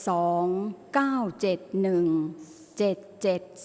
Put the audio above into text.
ออกรางวัลที่๖เลขที่๗